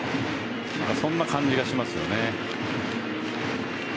そんな感じがしますよね。